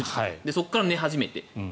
そこから寝始めて。